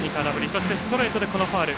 そしてストレートでファウル。